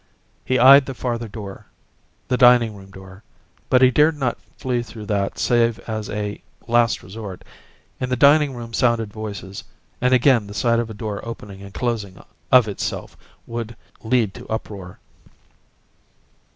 He eyed the farther door the dining room door. But he dared not flee through that save as a last resort. In the dining room sounded voices; and again the sight of a door opening and closing of itself would lead to uproar.